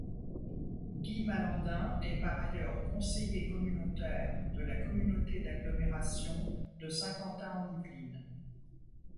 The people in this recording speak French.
Guy Malandain est par ailleurs conseiller communautaire de la communauté d'agglomération de Saint-Quentin-en-Yvelines.